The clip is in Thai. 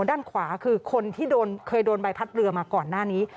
ด้านขวาคือคนที่เคยโดนใบพัดเรือมาก่อนหน้านี้